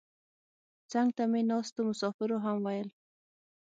څنګ ته مې ناستو مسافرو هم ویل.